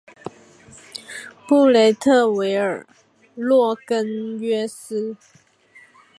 布雷特维尔洛格约斯。